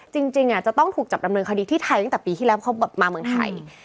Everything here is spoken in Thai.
จริงจะต้องถูกจับดำเนินคดีที่ไทยตั้งแต่ปีที่แล้วเขามาเมืองไทย